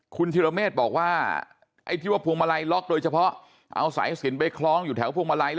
คุณธิรเมฆบอกว่าไอ้ที่ว่าพวงมาลัยล็อกโดยเฉพาะเอาสายสินไปคล้องอยู่แถวพวงมาลัย